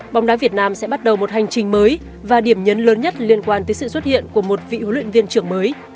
bóng đá việt nam sẽ bắt đầu một hành trình mới và điểm nhấn lớn nhất liên quan tới sự xuất hiện của một vị huấn luyện viên trưởng mới